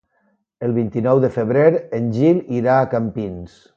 El vint-i-nou de febrer en Gil irà a Campins.